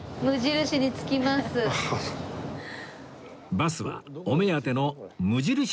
バスはお目当ての無印